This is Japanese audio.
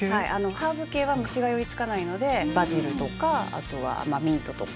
ハーブ系は虫が寄り付かないのでバジルとかあとはミントとか。